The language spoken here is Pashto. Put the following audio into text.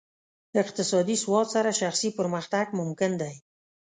اقتصادي سواد سره شخصي پرمختګ ممکن دی.